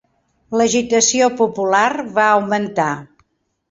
L'agitació popular va augmentar.